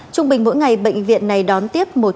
trung bình mỗi ngày bệnh viện này đón tiếp